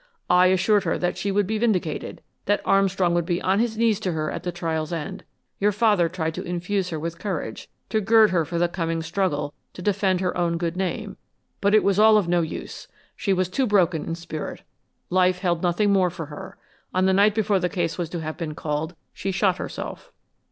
I assured her that she would be vindicated, that Armstrong would be on his knees to her at the trial's end. Your father tried to infuse her with courage, to gird her for the coming struggle to defend her own good name, but it was all of no use. She was too broken in spirit. Life held nothing more for her. On the night before the case was to have been called, she shot herself."